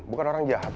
bukan orang jahat